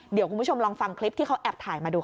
เดี๋ยวคุณผู้ชมลองฟังคลิปที่เขาแอบถ่ายมาดูค่ะ